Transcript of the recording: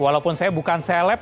walaupun saya bukan selep